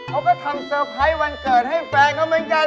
เขาก็ทำเซอร์ไพรส์วันเกิดให้แฟนเขาเหมือนกัน